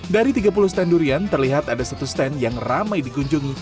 dari tiga puluh stand durian terlihat ada satu stand yang ramai dikunjungi